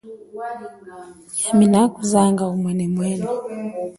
Yami nakuzanga umwenemwene.